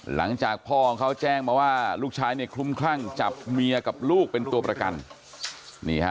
หลังจากพ่อของเขาแจ้งมาว่าลูกชายเนี่ยคลุมคลั่งจับเมียกับลูกเป็นตัวประกัน